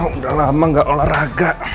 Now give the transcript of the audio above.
udah lama gak olahraga